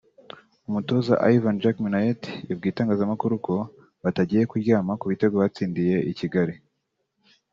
umutoza Ivan Jacky Minnaert yabwiye itangazamakuru ko batagiye kuryama ku bitego batsindiye i Kigali